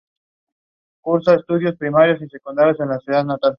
La aeronave giró fuera de control y se estrelló en posición invertida.